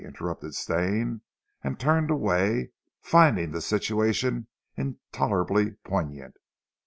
interrupted Stane, and turned away, finding the situation intolerably poignant.